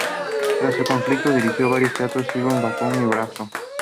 Tras el conflicto dirigió varios teatros en Sibiu, Bacău y Braşov.